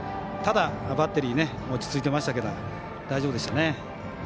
ただ、バッテリー落ち着いていましたから大丈夫でしたね。